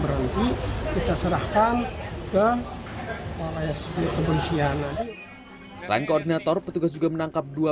nanti kita serahkan ke oleh suku kebunsyana selain koordinator petugas juga menangkap dua